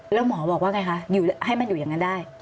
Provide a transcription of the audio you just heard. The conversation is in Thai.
แล้วหมอบอกว่าไงคะให้มันอยู่อย่างนั้นได้